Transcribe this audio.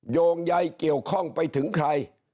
โยงใยเกี่ยวข้องไปถึงใคร